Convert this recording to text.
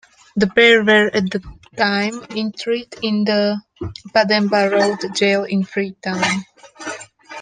The pair were at the time interred in the Pademba Road jail in Freetown.